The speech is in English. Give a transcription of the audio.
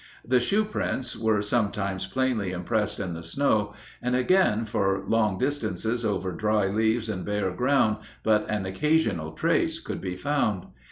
The shoe prints were sometimes plainly impressed in the snow, and again for long distances over dry leaves and bare ground but an occasional trace could be found.